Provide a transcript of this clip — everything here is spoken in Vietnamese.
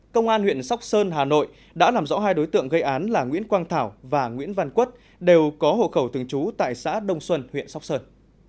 công an huyện sóc sơn hà nội đã làm rõ hai đối tượng gây án là nguyễn quang thảo và nguyễn văn quất đều có hộ khẩu thường trú tại xã đông xuân huyện sóc sơn